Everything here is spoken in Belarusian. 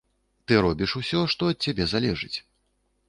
Ты робіш усё, што ад цябе залежыць.